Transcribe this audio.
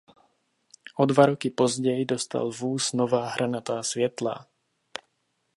O dva roky později dostal vůz nová hranatá světla.